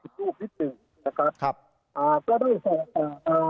ผิดรูปนิดหนึ่งนะครับก็ได้ส่งมา